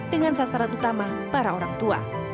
dengan sasaran utama para orang tua